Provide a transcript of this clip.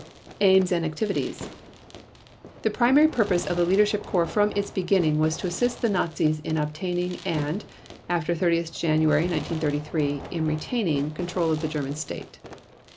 Aims and Activities: The primary purpose of the Leadership Corps from its beginning was to assist the Nazis in obtaining and, after 30 January 1933, in retaining, control of the German State.